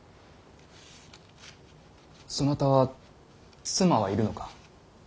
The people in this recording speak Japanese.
そなたは妻はいるのか。